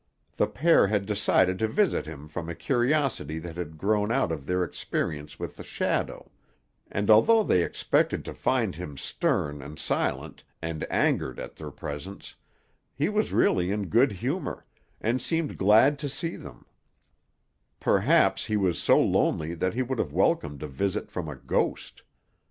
The pair had decided to visit him from a curiosity that had grown out of their experience with the shadow; and although they expected to find him stern and silent, and angered at their presence, he was really in good humor, and seemed glad to see them; perhaps he was so lonely that he would have welcomed a visit from a ghost.